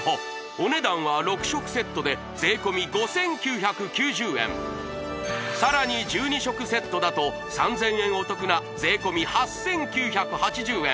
お値段は６食セットで税込５９９０円さらに１２食セットだと３０００円お得な税込８９８０円